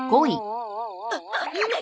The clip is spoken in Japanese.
あっ！